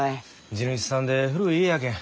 地主さんで古い家やけん。